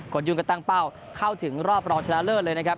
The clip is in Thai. ยุ่งก็ตั้งเป้าเข้าถึงรอบรองชนะเลิศเลยนะครับ